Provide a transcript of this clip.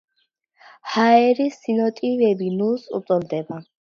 ჰაერის სინოტივე ნულს უტოლდება.